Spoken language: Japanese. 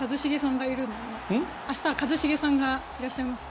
明日は一茂さんがいらっしゃいますよね？